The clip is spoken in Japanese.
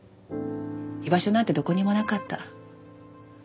居場所なんてどこにもなかった。